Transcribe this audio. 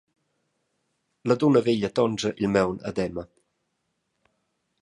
La dunna veglia tonscha il maun ad Emma.